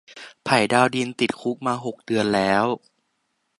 ไผ่ดาวดิน ติดคุกมาหกเดือนแล้ว